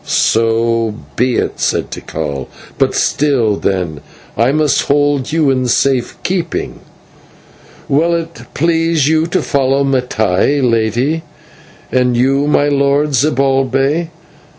"So be it," said Tikal; "but till then I must hold you in safe keeping. Will it please you to follow Mattai, Lady, and you, my Lord Zibalbay.